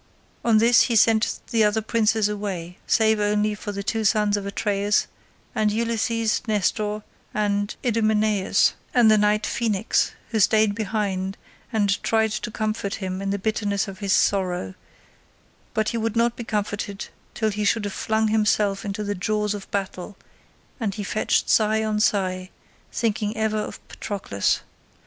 On this he sent the other princes away, save only the two sons of Atreus and Ulysses, Nestor, Idomeneus, and the knight Phoenix, who stayed behind and tried to comfort him in the bitterness of his sorrow: but he would not be comforted till he should have flung himself into the jaws of battle, and he fetched sigh on sigh, thinking ever of Patroclus.